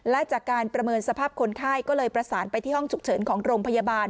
และจากการประเมินสภาพคนไข้ก็เลยประสานไปที่ห้องฉุกเฉินของโรงพยาบาล